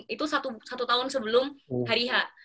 itu satu tahun sebelum hari h